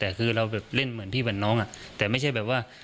แต่คือเราแบบเล่นเหมือนพี่เหมือนน้องอ่ะแต่ไม่ใช่แบบว่า